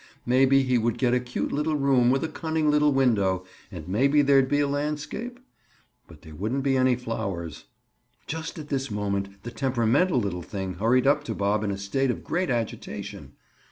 Maybe he would get a cute little room with a cunning little window, and maybe there'd be a landscape? But there wouldn't be any flowers. Just at this moment the temperamental little thing hurried up to Bob in a state of great agitation.